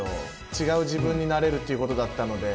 違う自分になれるっていうことだったので。